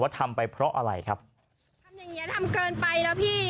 ว่าทำไปเพราะอะไรครับ